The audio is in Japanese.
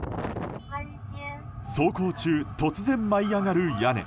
走行中、突然舞い上がる屋根。